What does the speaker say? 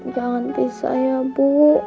jangan pisah ya bu